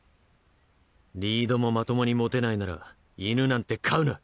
リードもまともに持てないなら犬なんて飼うな。